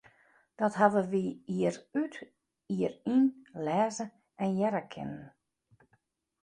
Dat hawwe wy jier út, jier yn lêze en hearre kinnen.